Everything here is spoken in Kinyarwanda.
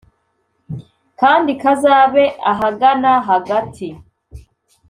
kandi kazabe ahagana hagati